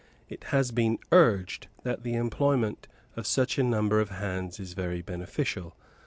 It has been urged that the employment of such a number of hands is very beneficial.